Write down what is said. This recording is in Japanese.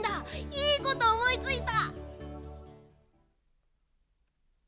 いいことおもいついた！